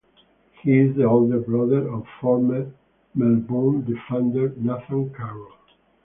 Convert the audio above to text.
He is the older brother of former Melbourne defender Nathan Carroll.